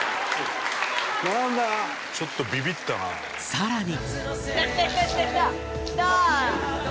さらに